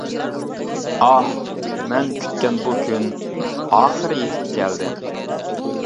ئاھ، مەن كۈتكەن بۇ كۈن ئاخىرى يېتىپ كەلدى!